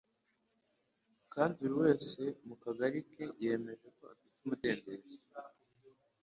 Kandi buri wese mu kagari ke yemeje ko afite umudendezo,